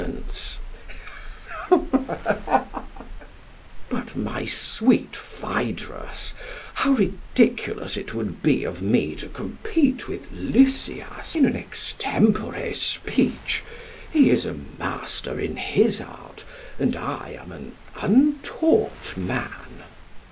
SOCRATES: But, my sweet Phaedrus, how ridiculous it would be of me to compete with Lysias in an extempore speech! He is a master in his art and I am an untaught man.